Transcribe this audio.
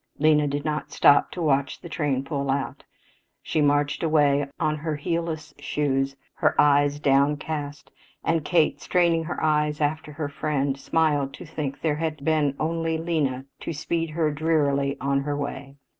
Lena did not stop to watch the train pull out. She marched away on her heelless shoes, her eyes downcast, and Kate, straining her eyes after her friend, smiled to think there had been only Lena to speed her drearily on her way.